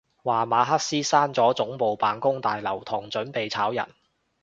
話馬斯克閂咗總部辦公大樓同準備炒人